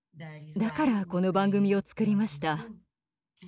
だからこの番組を作りました。